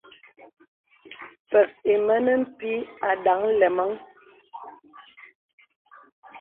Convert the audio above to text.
Pə̀k ìmə̀ ne pìì àdaŋ nlɛmaŋ.